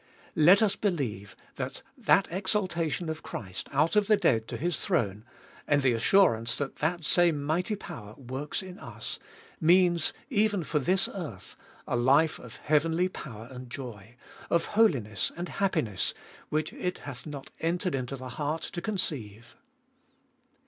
Let us believe that that exaltation of Christ out of the dead to His throne, and the assurance that that same mighty power works in us, means, even for this earth, a life of heavenly power and joy, of holiness and happiness which it hath not entered into the heart to conceive.